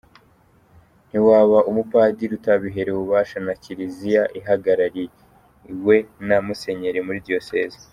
Ntiwaba umupadiri utabiherewe ububasha na Kiliziya ihagarariwe na Musenyeri muri diyoseze.